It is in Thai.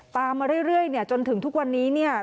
ตามมาเรื่อยจนถึงทุกวันนี้เนี่ย